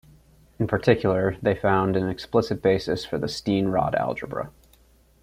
In particular they found an explicit basis for the Steenrod algebra.